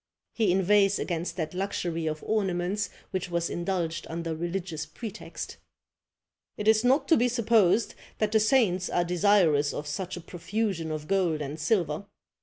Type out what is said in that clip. He inveighs against that luxury of ornaments which was indulged under religious pretext: "It is not to be supposed that the saints are desirous of such a profusion of gold and silver.